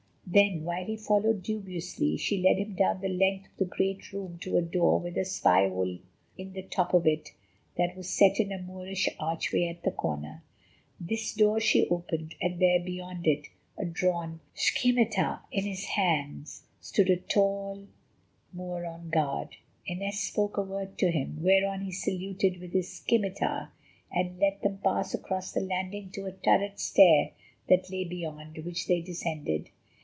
Then, while he followed dubiously, she led him down the length of the great room to a door with a spy hole in the top of it, that was set in a Moorish archway at the corner. This door she opened, and there beyond it, a drawn scimitar in his hand, stood a tall Moor on guard. Inez spoke a word to him, whereon he saluted with his scimitar and let them pass across the landing to a turret stair that lay beyond, which they descended.